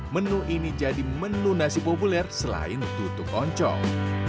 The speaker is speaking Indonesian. menu ini jadi menu nasi populer selain tutup oncong